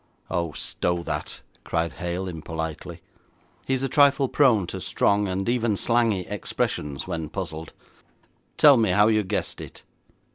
'Oh, stow that!' cried Hale impolitely. He is a trifle prone to strong and even slangy expressions when puzzled. 'Tell me how you guessed it.'